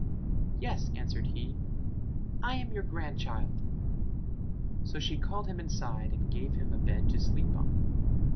"Yes," answered he, "I am your grandchild." So she called him inside and gave him a bed to sleep on.